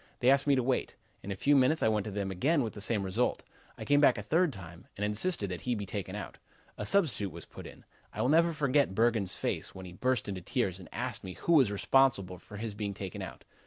They asked me to wait. In a few minutes I went to them again, with the same result. I came back a third time, and insisted that he be taken out. A substitute was put in. I will never forget Bergen's face when he burst into tears and asked me who was responsible for his being taken out.